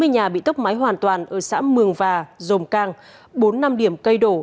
chín mươi nhà bị tốc mái hoàn toàn ở xã mường và dồm cang bốn năm điểm cây đổ